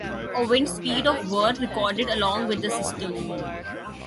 A wind speed of were recorded along with the system.